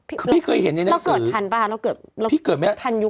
พี่เคยเห็นในหน้าสือแล้วเกิดทันป่ะแล้วเกิดทันยุค